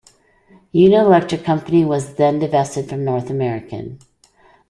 Union Electric Company was then divested from North American.